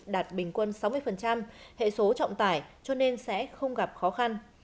đạt bình quân sáu mươi hệ số trọng tải cho nên sẽ không gặp khó khăn